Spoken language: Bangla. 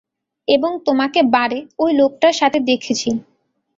এবং তোমাকে বারে ঐ লোকটার সাথে দেখেছি।